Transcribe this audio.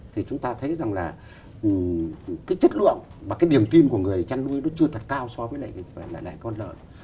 thì chúng ta thấy rằng là cái chất lượng và cái điểm tin của người chăn nuôi nó chưa thật cao so với lại con lợn